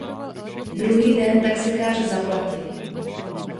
Druhý den taxikář zaplatil.